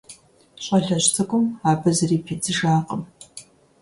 Щӏалэжь цӏыкӏум абы зыри пидзыжакъым.